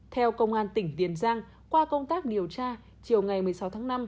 theo công an tỉnh tiền giang qua công tác điều tra chiều ngày một mươi sáu tháng năm